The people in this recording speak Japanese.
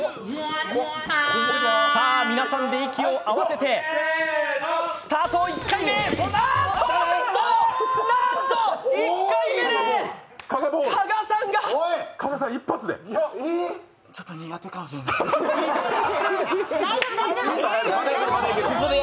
皆さんで息を合わせてスタートなんと、なんと、１回目で！